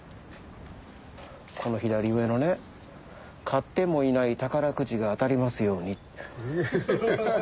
この左上のね「買ってもいない宝くじが当たりますように」。